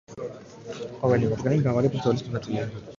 ყოველი მათგანი მრავალი ბრძოლის მონაწილე იყო.